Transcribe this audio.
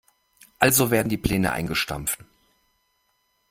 Also werden die Pläne eingestampft.